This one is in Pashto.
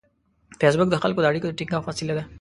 فېسبوک د خلکو د اړیکو د ټینګښت وسیله ده